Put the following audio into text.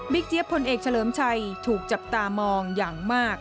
เจี๊ยบพลเอกเฉลิมชัยถูกจับตามองอย่างมาก